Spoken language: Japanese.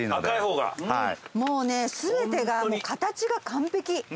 もうね全てが形が完璧。